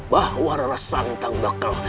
bahwa rara santang bakal